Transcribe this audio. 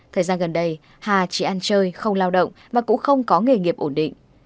thời gian gần đây hà chỉ ăn chơi không lao động và cũng không có nghề nghiệp ổn định